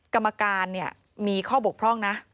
กรรมการเนี่ยมีข้อบกพร่องนะ